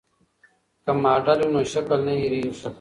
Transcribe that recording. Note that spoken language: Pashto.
که ماډل وي نو شکل نه هېریږي.